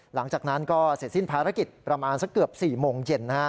หลังจากนั้นก็เสร็จสิ้นภารกิจประมาณสักเกือบ๔โมงเย็น